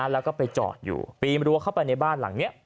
แล้วก็ไปจอดอยู่ปีนรั้วเข้าไปในบ้านหลังนี้